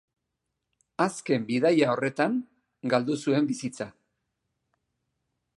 Azken bidaia horretan galdu zuen bizitza.